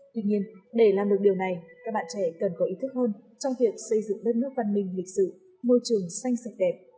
tuy nhiên để làm được điều này các bạn trẻ cần có ý thức hơn trong việc xây dựng đất nước văn minh lịch sử môi trường xanh sạch đẹp